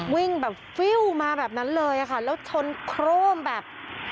วิ่งแบบฟิวมาแบบนั้นเลยค่ะแล้วชนโครมแบบ